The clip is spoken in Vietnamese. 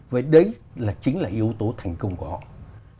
với đấy chính là yếu tố thành công của họ